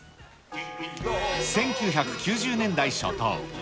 １９９０年代初頭。